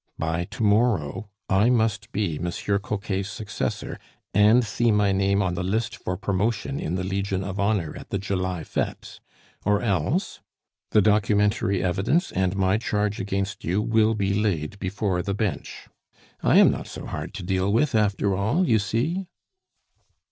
By to morrow I must be Monsieur Coquet's successor and see my name on the list for promotion in the Legion of Honor at the July fetes, or else the documentary evidence and my charge against you will be laid before the Bench. I am not so hard to deal with after all, you see."